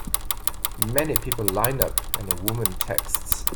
many people line up, and a woman texts.